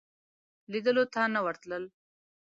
لیدلو ته نه ورتلل.